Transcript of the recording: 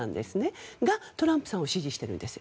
それがトランプさんを支持しているんです。